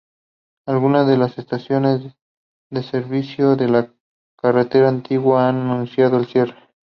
Algunas de las estaciones de servicio de la carretera antigua han anunciado el cierre.